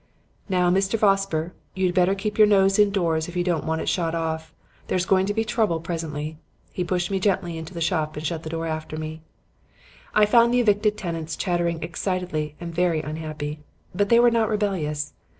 "'Now, Mr. Vosper, you'd better keep your nose indoors if you don't want it shot off. There's going to be trouble presently.' He pushed me gently into the shop and shut the door after me. "I found the evicted tenants chattering excitedly and very unhappy. But they were not rebellious.